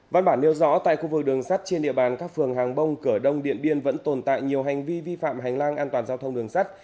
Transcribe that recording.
văn bản nêu rõ tại khu vực đường sắt trên địa bàn các phường hàng bông cửa đông điện biên vẫn tồn tại nhiều hành vi vi phạm hành lang an toàn giao thông đường sắt